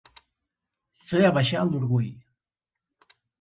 Fer abaixar l'orgull.